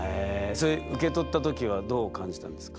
それ受け取った時はどう感じたんですか？